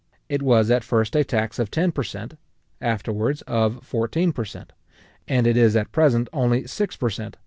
It was at first a tax of ten per cent. afterwards of fourteen per cent. and it is at present only six per cent.